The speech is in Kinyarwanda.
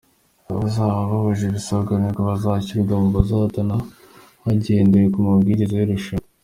Abazaba bujuje ibisabwa nibo bazashyirwa mu bahatana hagendewe ku mabwiriza y’irushanwa".